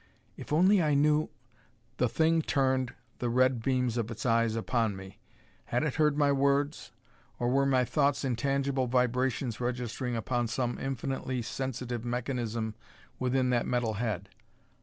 If only I knew " The thing turned the red beams of its eyes upon me. Had it heard my words? Or were my thoughts intangible vibrations registering upon some infinitely sensitive mechanism within that metal head?